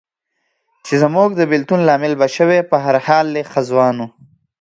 چې زموږ د بېلتون لامل به شوې، په هر حال دی ښه ځوان و.